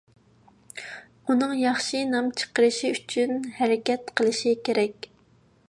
ئۇنىڭ ياخشى نام چىقىرىشى ئۈچۈن ھەرىكەت قىلىشى كېرەك.